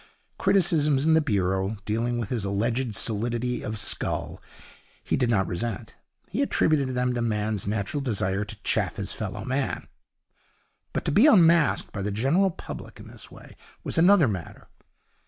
Criticisms in the Bureau, dealing with his alleged solidity of skull, he did not resent. He attributed them to man's natural desire to chaff his fellow man. But to be unmasked by the general public in this way was another matter.